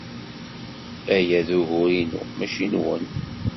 Aya d ugur-inu, maci nwen.